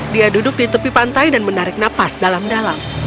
dia duduk di tepi pantai dan menarik napas dalam dalam